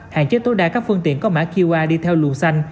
hạn chế tối đa các phương tiện có mã qr đi theo luồng xanh